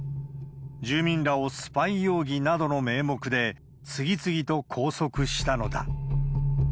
住民らをスパイ容疑などの名目で、次々と拘束したのだ。